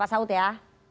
pak saud ya